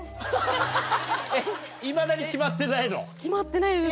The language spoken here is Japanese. いまだに決まってないの？